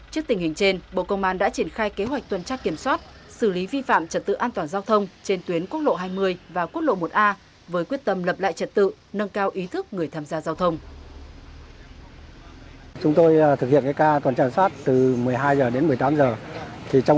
trước tình hình trên bộ công an đã triển khai kế hoạch tuần trắc kiểm soát xử lý vi phạm trật tự an toàn giao thông trên tuyến quốc lộ hai mươi và quốc lộ một a với quyết tâm lập lại trật tự nâng cao ý thức người tham gia giao thông